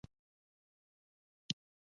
مصنوعي ځیرکتیا د ټولنیزو اړیکو جوړښت بدلوي.